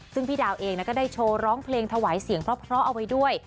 ซึ่งพี่ดาวเองก็ได้โชว์ร้องเพลงถวายเสียงเพราะเอาไว้ด้วย